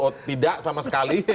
oh tidak sama sekali